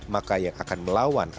maka yang akan melawan atau berusaha